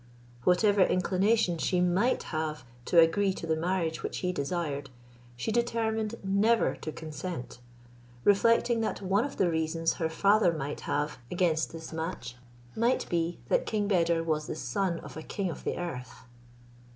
Whatever inclination she might have to agree to the marriage which he desired, she determined never to consent, reflecting that one of the reasons her father might have against this match might be, that King Beder was son of a king of the earth.